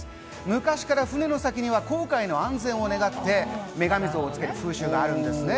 昔から船の先には航海の安全を願って女神像を付ける風習があるんですね。